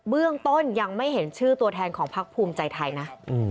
เรื่องต้นยังไม่เห็นชื่อตัวแทนของพักภูมิใจไทยนะ